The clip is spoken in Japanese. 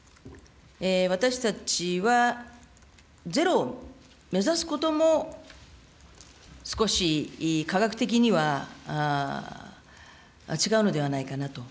私たちはゼロを目指すことも、少し科学的には違うのではないかなと。